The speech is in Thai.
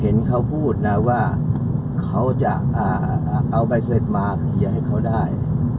เห็นเขาพูดนะว่าเขาจะเอาใบเสร็จมาเคลียร์ให้เขาได้